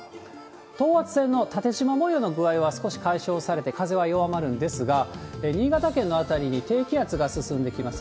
等圧線の縦じま模様の具合は少し解消されて、風は弱まるんですが、新潟県の辺りに低気圧が進んできます。